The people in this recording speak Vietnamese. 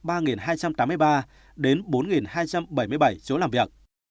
công nghệ thông tin cần khoảng ba hai trăm tám mươi ba đến bốn hai trăm bảy mươi bảy chỗ làm việc